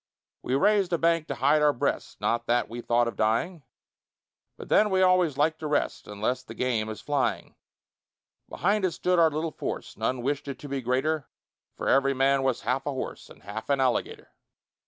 We raised a bank to hide our breasts, Not that we thought of dying, But then we always like to rest, Unless the game is flying: Behind it stood our little force None wish'd it to be greater, For every man was half a horse And half an alligator.